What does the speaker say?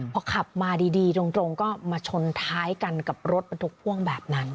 พอขับมาดีตรงก็มาชนท้ายกันกับรถบรรทุกพ่วงแบบนั้น